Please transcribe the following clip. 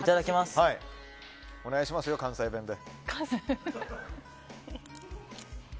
お願いしますよ、関西弁で。